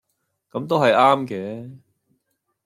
噉都係啱嘅